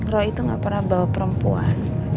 roh itu gak pernah bawa perempuan